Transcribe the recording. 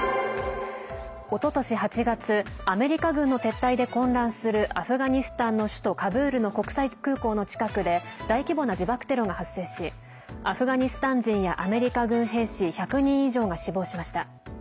おととし８月アメリカ軍の撤退で混乱するアフガニスタンの首都カブールの国際空港の近くで大規模な自爆テロが発生しアフガニスタン人やアメリカ軍兵士１００人以上が死亡しました。